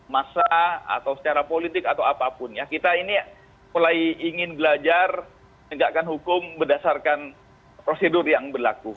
masa atau secara politik atau apapun ya kita ini mulai ingin belajar menegakkan hukum berdasarkan prosedur yang berlaku